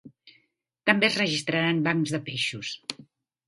També es registraran bancs de peixos.